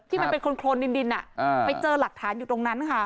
มันเป็นโครนดินไปเจอหลักฐานอยู่ตรงนั้นค่ะ